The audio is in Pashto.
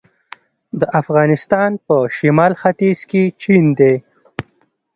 د افغانستان په شمال ختیځ کې چین دی